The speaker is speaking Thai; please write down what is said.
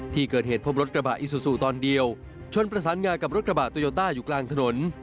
ที่เกิดเหตุพบรถกระบะอิซูซูตอนเดียวชนประสานงากับรถกระบะโตโยต้าอยู่กลางถนน